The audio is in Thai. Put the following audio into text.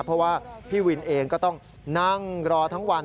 เพราะว่าพี่วินเองก็ต้องนั่งรอทั้งวัน